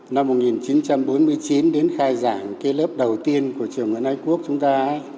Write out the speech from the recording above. năm một nghìn chín trăm bốn mươi chín đến khai giảng cái lớp đầu tiên của trường nguyễn ái quốc chúng ta